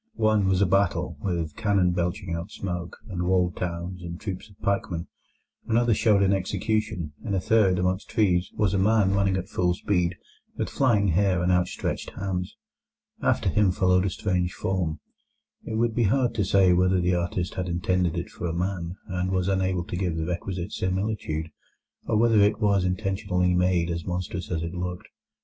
One was a battle, with cannon belching out smoke, and walled towns, and troops of pikemen. Another showed an execution. In a third, among trees, was a man running at full speed, with flying hair and outstretched hands. After him followed a strange form; it would be hard to say whether the artist had intended it for a man, and was unable to give the requisite similitude, or whether it was intentionally made as monstrous as it looked.